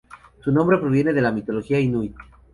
Su nombre proviene de la mitología inuit.